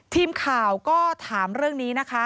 ทีมข่าวก็ถามเรื่องนี้นะคะ